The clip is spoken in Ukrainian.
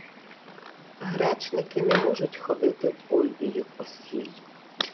— Гречники не можуть ходити в Ольбію по сіль.